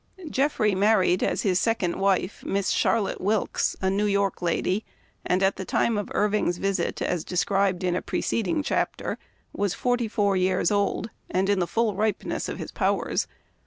Jeffrey married, as his second wife, Miss Charlotte Wilkes, a New York lady, and at the time of Irving's visit, as described in the preceding chapter, was forty four years old, and in the full ripeness of his powers.